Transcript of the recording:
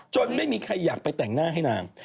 ไม่มีใครอยากไปแต่งหน้าให้นาง